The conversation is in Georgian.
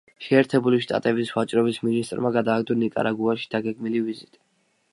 შეერთებული შტატების ვაჭრობის მინისტრმა გადადო ნიკარაგუაში დაგეგმილი ვიზიტი.